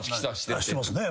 してますね。